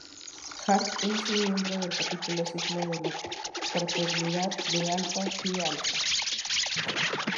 Hart es un miembro del Capítulo Sigma de la fraternidad de Alfa Phi Alpha.